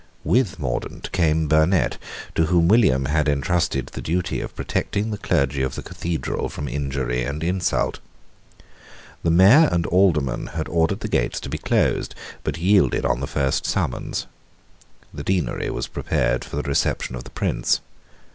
With Mordaunt came Burnet, to whom William had entrusted the duty of protecting the clergy of the Cathedral from injury and insult. The Mayor and Aldermen had ordered the gates to be closed, but yielded on the first summons. The deanery was prepared for the reception of the Prince.